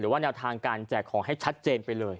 ว่าแนวทางการแจกของให้ชัดเจนไปเลย